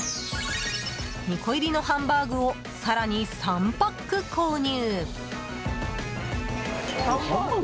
２個入りのハンバーグを更に３パック購入。